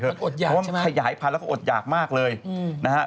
เพราะว่ามันขยายพันธุ์แล้วก็อดหยากมากเลยนะฮะ